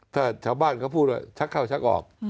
ถ้าชาวบ้านเขาพูดว่าชักเข้าชักออก